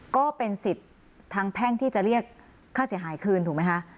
ก็เป็นสิทธิ์ทางแพ่งที่จะเรียกค่าเสียหายคืนถูกไหมคะ